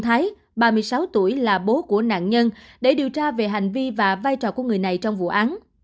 nguyễn kim trung thái ba mươi sáu tuổi là bố của nạn nhân để điều tra về hành vi và vai trò của người này trong vụ án